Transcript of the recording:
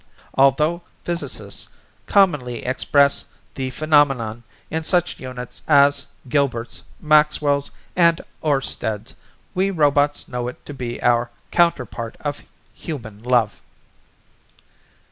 Although physicists commonly express the phenomenon in such units as Gilberts, Maxwells and Oersteds, we robots know it to be our counterpart of human love."